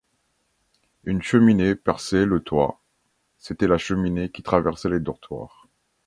Une cheminée perçait le toit ; c’était la cheminée qui traversait les dortoirs.